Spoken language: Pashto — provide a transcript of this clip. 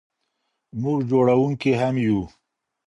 موږ جوړونکي هم یو.